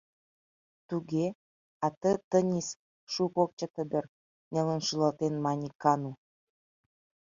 — Туге, а ты Тынис шуко ок чыте дыр, — нелын шӱлалтен, мане Каану.